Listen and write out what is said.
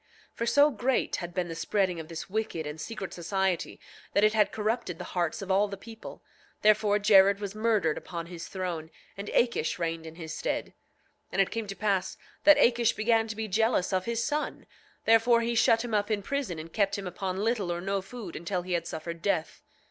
9:6 For so great had been the spreading of this wicked and secret society that it had corrupted the hearts of all the people; therefore Jared was murdered upon his throne, and Akish reigned in his stead. 9:7 And it came to pass that Akish began to be jealous of his son, therefore he shut him up in prison, and kept him upon little or no food until he had suffered death.